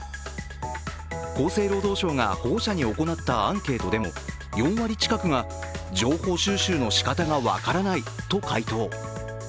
厚生労働省が保護者に行ったアンケートでも４割近くが情報収集の仕方が分からないと回答。